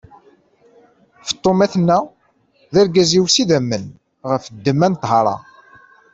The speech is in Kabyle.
Feṭṭuma tenna: D argaz-iw s idammen ɣef ddemma n ṭṭhara.